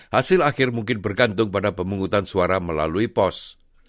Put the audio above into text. hasil akhir mungkin bergantung pada pemungutan suara melalui pos